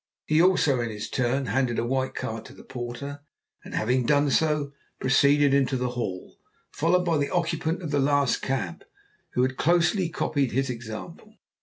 He also in his turn handed a white card to the porter, and, having done so, proceeded into the hall, followed by the occupant of the last cab, who had closely copied his example.